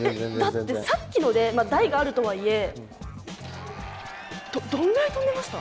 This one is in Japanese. だってさっきので台があるとはいえどんぐらい飛んでました？